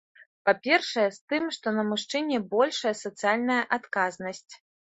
Па-першае, з тым, што на мужчыне большая сацыяльная адказнасць.